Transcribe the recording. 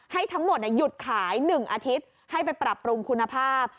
ให้ทั้งหมดหยุดขาย๑อาทิตย์ให้ไปปรับปรุงคุณภาพ